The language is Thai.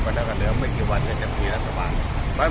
วันหน้ากันเหลือไม่กี่วันก็จะมีรัฐบาล